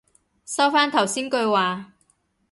收返頭先句話